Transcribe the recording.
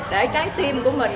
để trái tim của mình